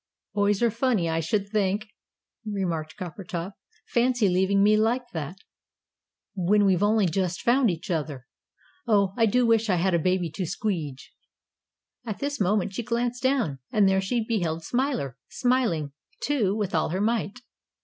"Boys are funny I should think," remarked Coppertop. "Fancy leaving me like that, when we've only just found each other. Oh, I do wish I had a baby to squeedge." At this moment she glanced down, and there she beheld Smiler; smiling, too, with all her might.